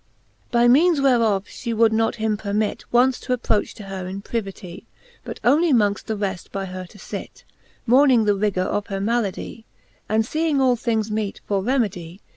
VIII. By meanes whereof fhe would not him permit Once to approch to her in privity, But onely mongft the refl by her to fit, Mourning the rigour of her malady. And feeking all things meete for remedy.